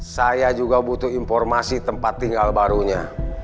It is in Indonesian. saya juga butuh informasi tempat tinggal barunya